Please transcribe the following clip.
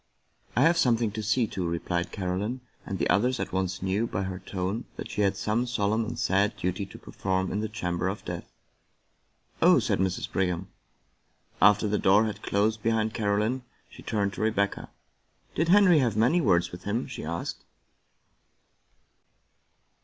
" I have something to see to," replied Caroline, and the others at once knew by her tone that she had some solemn and sad duty to perform in the chamber of death. " Oh," said Mrs. Brigham. After the door had closed behind Caroline, she turned to Rebecca. " Did Henry have many words with him ?" she asked.